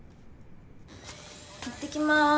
いってきます。